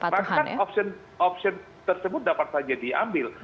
maka opsion tersebut dapat saja diambil